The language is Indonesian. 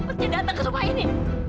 kamu harus datang ke rumah ini